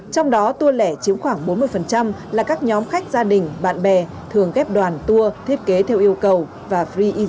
trong đó tour lẻ chiếm khoảng bốn mươi là các nhóm khách gia đình bạn bè thường ghép đoàn tour thiết kế theo yêu cầu và free in